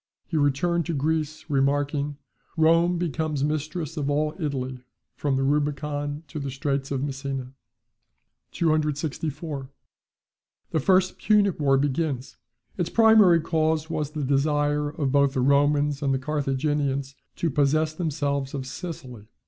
He returned to Greece, remarking, "Rome becomes mistress of all Italy from the Rubicon to the Straits of Messina." 264. The first Punic war begins. Its primary cause was the desire of both the Romans and the Carthaginians to possess themselves of Sicily.